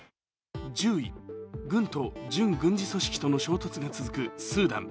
軍と準軍事組織との衝突が続くスーダン。